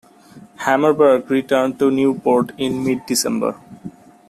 Hammerberg returned to Newport in mid-December.